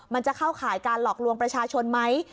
มันจะเข้าข่ายการหลอกลวงประชาชนไหม